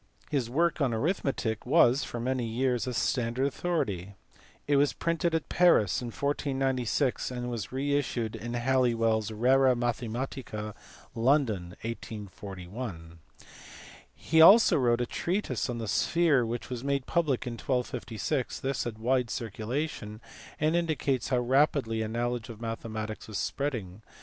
His work on arithmetic was for many years a standard authority: it was printed at Paris in 1496, and was re issued in Halli well s Rura Mathematica, London, 1841. He also wrote a treatise on the sphere which was made public in 1256: this had a wide circulation, and in dicates how rapidly a knowledge of mathematics was spreading.